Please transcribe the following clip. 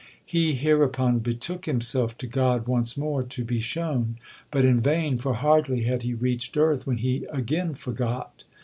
He hereupon betook himself to God once more to be shown, but in vain, for hardly had he reached earth, when he again forgot.